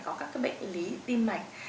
có các bệnh lý tim mạch